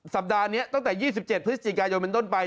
สัปดาห์นี้ตั้งแต่๒๗พฤศจิกายนเป็นต้นไป